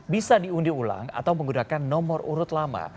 bisa diundi ulang atau menggunakan nomor urut lama